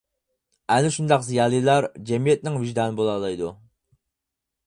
ئەنە شۇنداق زىيالىيلار جەمئىيەتنىڭ ۋىجدانى بولالايدۇ.